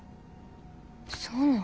そうなん？